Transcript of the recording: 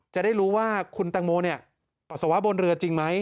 จะได้รู้ว่าคุณตังโมปัสสาวะบนเรือจริงไหม